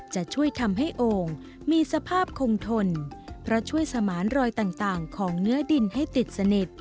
จะช่วยทำให้โอ่งมีสภาพคงทนเพราะช่วยสมานรอยต่างของเนื้อดินให้ติดสนิท